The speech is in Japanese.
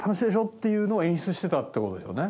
っていうのを演出してたって事ですよね。